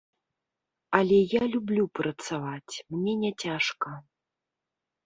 Але я люблю працаваць, мне няцяжка.